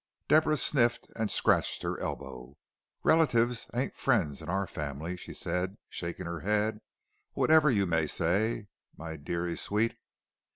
Deborah sniffed and scratched her elbow. "Relatives ain't friends in our family," she said, shaking her head, "whatever you may say, my deary sweet.